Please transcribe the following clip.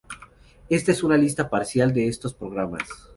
Esta es una lista parcial de estos programas.